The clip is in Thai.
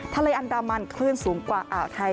ทะเลอันดามันคลื่นสูงกว่าอ่าวไทย